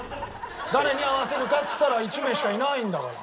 誰に合わせるかっつったら１名しかいないんだから。